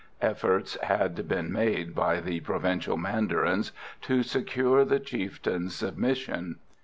Efforts had been made by the provincial mandarins to secure the chieftain's submission.